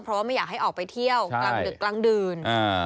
เพราะว่าไม่อยากให้ออกไปเที่ยวกลางดึกกลางดื่น